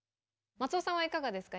松尾さんはいかがですか？